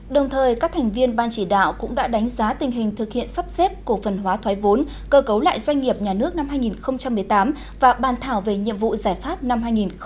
đồng thời các thành viên ban chỉ đạo cũng đã đánh giá tình hình thực hiện sắp xếp cổ phần hóa thoái vốn cơ cấu lại doanh nghiệp nhà nước năm hai nghìn một mươi tám và bàn thảo về nhiệm vụ giải pháp năm hai nghìn một mươi chín